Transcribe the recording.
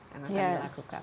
yang akan dilakukan